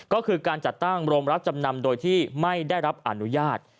ก็คือการจัดตั้งโรงรับจำนำโดยที่ไม่ได้รับอนุญาต